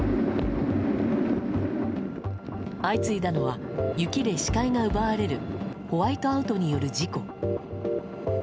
相次いだのは雪で視界が奪われるホワイトアウトによる事故。